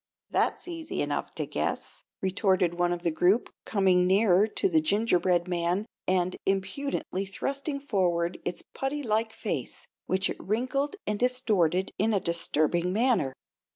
"That's easy enough to guess," retorted one of the group, coming nearer to the gingerbread man and impudently thrusting forward its putty like face, which it wrinkled and distorted in a disturbing manner.